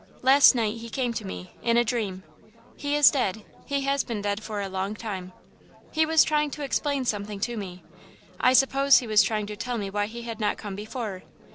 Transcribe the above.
"Last night, he came to me in a dream. He is dead he has been dead for a long time. He was trying to explain something to me I suppose he was trying to tell me why he had not come before.